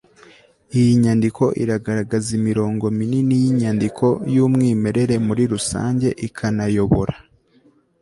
iyi nyandiko iragaragaza imirongo minini y'inyandiko y'umwimerere muri rusange ikanayobora